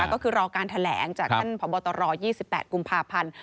ก็คือรอการแถลงจากท่านพบตร๒๘กุมภาพันธ์